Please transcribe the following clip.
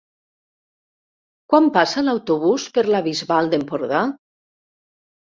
Quan passa l'autobús per la Bisbal d'Empordà?